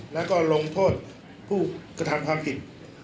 และลงโทษผู้กระทั่งความผิด